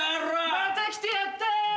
また来てやったよ。